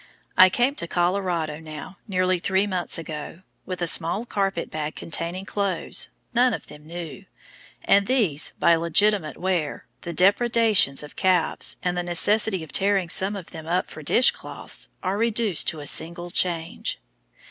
I came to Colorado now nearly three months ago, with a small carpet bag containing clothes, none of them new; and these, by legitimate wear, the depredations of calves, and the necessity of tearing some of them up for dish cloths, are reduced to a single change!